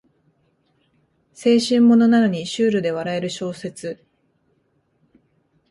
青春ものなのにシュールで笑える小説